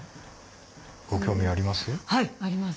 ご興味あります？